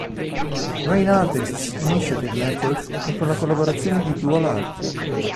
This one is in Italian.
Rain Artists' Initiative Network e con la collaborazione di doual'art.